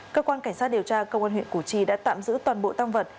cơ quan cảnh sát điều tra công an huyện củ chi đã tạm giữ toàn bộ tăng vật